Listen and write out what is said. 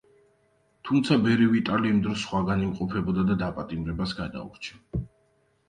თუმცა, ბერი ვიტალი იმ დროს სხვაგან იმყოფებოდა და დაპატიმრებას გადაურჩა.